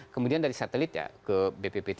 kemudian dari satelit ya ke bppt